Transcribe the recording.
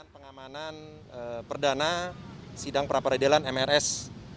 pengamanan perdana sidang pra peradilan mrs